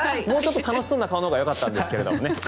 もうちょっと楽しそうな顔のほうがよかったんですけどね